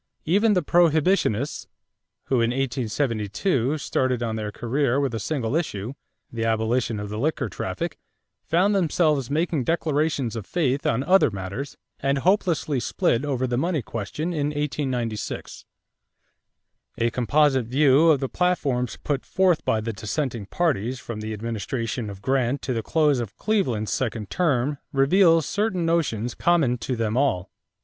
Even the Prohibitionists, who in 1872 started on their career with a single issue, the abolition of the liquor traffic, found themselves making declarations of faith on other matters and hopelessly split over the money question in 1896. A composite view of the platforms put forth by the dissenting parties from the administration of Grant to the close of Cleveland's second term reveals certain notions common to them all.